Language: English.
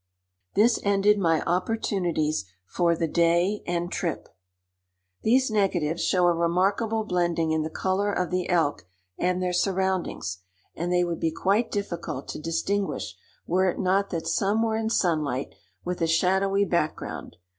This ended my opportunities for the day and trip. These negatives show a remarkable blending in the color of the elk and their surroundings, and they would be quite difficult to distinguish were it not that some were in sunlight, with a shadowy background.